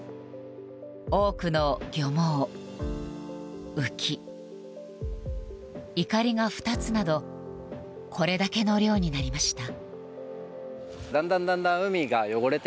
多くの漁網、浮きいかりが２つなどこれだけの量になりました。